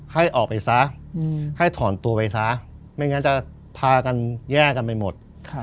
ให้ออกไปซะให้ถอนตัวไปซะไม่งั้นจะพากันแย่กันไปหมด